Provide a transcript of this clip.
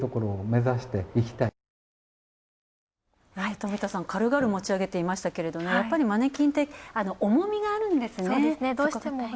冨田さん、軽々持ち上げていましたけれど、やっぱりマネキンって重みがあるんですね。